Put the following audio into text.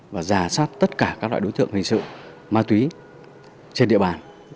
và giả soát tất cả các loại đối tượng hình sự ma túy trên địa bàn